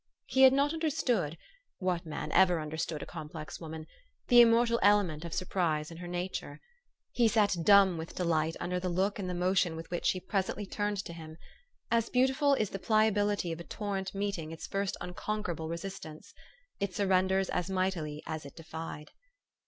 He had not understood (what man ever understood a complex woman?) the immortal element of sur prise in her nature. He sat dumb with delight under the look and the motion with which she present!}' turned to him. As beautiful is the pliability of a torrent meeting its first unconquerable resistance ; it surrenders as mightily as it defied.